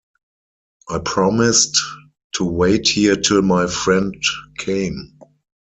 I promised to wait here till my friend came.